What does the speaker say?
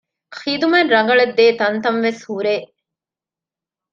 ޚިދުމަތް ރަނގަޅަށް ދޭ ތަންތަން ވެސް ހުރޭ